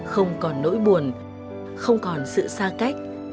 không còn nỗi buồn không còn sự xa cách